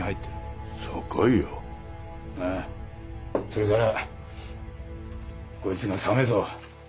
それからこいつが鮫三。